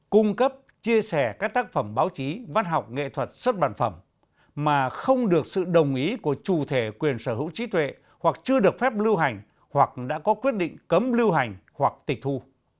cung cấp chia sẻ các tác phẩm báo chí văn học nghệ thuật xuất bản phẩm mà không được sự đồng ý của chủ thể quyền sở hữu trí tuệ hoặc chưa được phép lưu hành hoặc đã có quyết định cấm lưu hành hoặc tịch thu